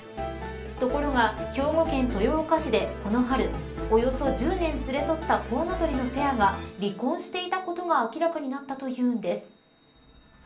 ところが、兵庫県豊岡市でこの春およそ１０年連れ添ったコウノトリのペアが離婚していたことが明らかになったというんです。